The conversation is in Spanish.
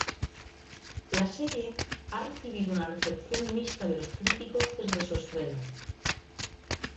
La serie ha recibido una recepción mixta de los críticos desde su estreno.